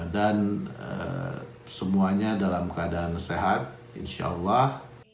dan semuanya dalam keadaan sehat insya allah